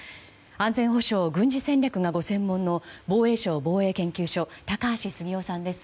安全保障、軍事戦略がご専門の防衛省防衛研究所高橋杉雄さんです。